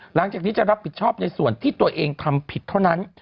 หลังจากนี้จะรับผิดชอบในส่วนที่ตัวเองทำผิดเท่านั้น